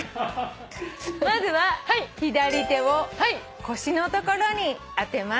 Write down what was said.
まずは左手を腰の所に当てます。